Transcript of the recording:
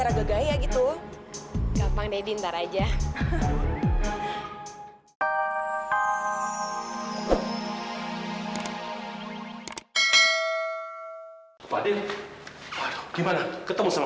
sampai jumpa di video selanjutnya